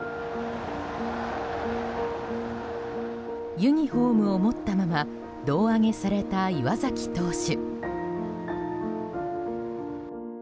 ユニホームを持ったまま胴上げされた岩崎投手。